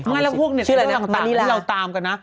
งั้นแล้วพวกเน็ตเซ็นต์นี้เราตามกันนะ